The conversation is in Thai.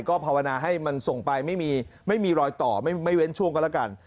ก็ภาวนาให้มันส่งไปไม่มีรอยต่อไม่เว้นช่วงก็แล้วกัน